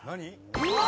うわ！